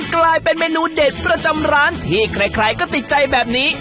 กลายเป็นเมนูเด็ดประจำร้านที่ใครก็ติดใจแบบนี้